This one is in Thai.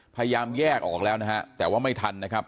พยายามแยกออกแล้วนะฮะแต่ว่าไม่ทันนะครับ